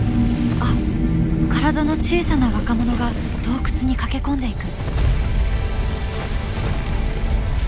あっ体の小さな若者が洞窟に駆け込んでいく。